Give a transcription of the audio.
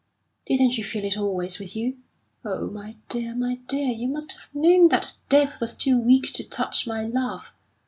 Didn't you feel it always with you? Oh, my dear, my dear, you must have known that death was too weak to touch my love!